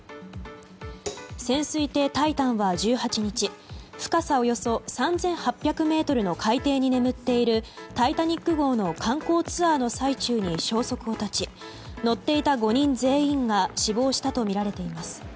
潜水艇「タイタン」は１８日深さおよそ３８００ｍの海底に眠っている「タイタニック号」の観光ツアーの最中に消息を絶ち乗っていた５人全員が死亡したとみられています。